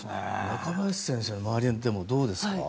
中林先生の周りはどうですか。